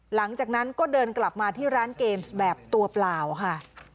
หลังจากนั้นก็เดินกลับมาที่ร้านเกมส์แบบตัวเปล่าค่ะ